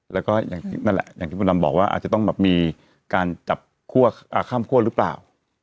แล้วก็อย่างที่บุรัมป์บอกว่าอาจจะต้องมีการจับข้ามคั่วหรือเปล่า